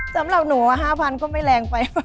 สำหรับหนู๕๐๐ก็ไม่แรงไป